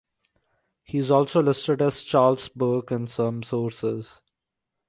He is also listed as Charles Burke in some sources.